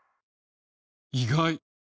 意外。